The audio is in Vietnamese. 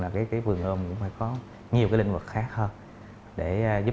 tiền hỗ trợ một trăm năm mươi